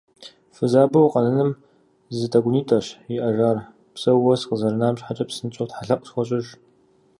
Фызабэу укъэнэным зы тӀэкӀунитӀэщ иӀэжар, псэууэ сыкъызэрынам щхьэкӀэ псынщӀэу тхьэлъэӀу схуэщӀыж.